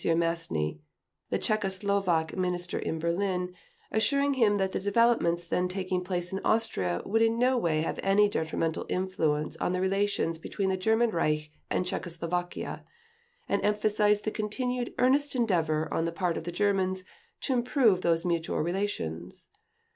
Mastny, the Czechoslovak Minister in Berlin, assuring him that the developments then taking place in Austria would in no way have any detrimental influence on the relations between the German Reich and Czechoslovakia, and emphasized the continued earnest endeavor on the part of the Germans to improve those mutual relations.